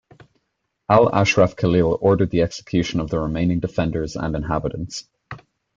Al-Ashraf Khalil ordered the execution of the remaining defenders and inhabitants.